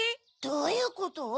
どういうこと？